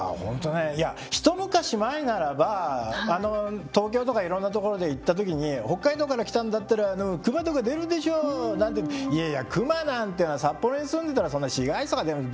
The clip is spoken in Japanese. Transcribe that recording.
ねいや一昔前ならば東京とかいろんなところで行った時に「北海道から来たんだったらクマとか出るでしょ」なんて「いやいやクマなんてのは札幌に住んでたらそんな市街地とか出ない。